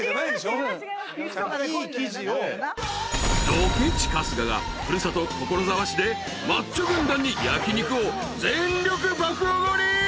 ［ドケチ春日が古里所沢市でマッチョ軍団に焼き肉を全力爆おごり。